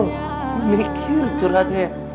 kamu berpikir curhatnya